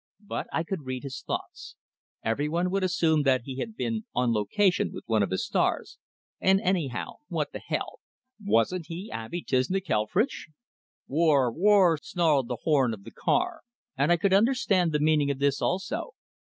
But I could read his thoughts; everybody would assume that he had been "on location" with one of his stars; and anyhow, what the hell? Wasn't he Abey Tszchniczklefritszch? "Wor r r r r! Wor r r r r r!" snarled the horn of the car; and I could understand the meaning of this also.